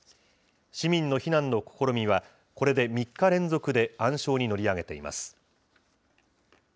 市民の避難の試みは、これで３日連続で暗礁に乗り上げています。